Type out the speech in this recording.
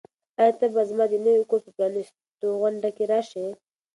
آیا ته به زما د نوي کور په پرانیستغونډه کې راشې؟